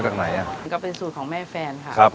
มีวันหยุดเอ่ออาทิตย์ที่สองของเดือนค่ะ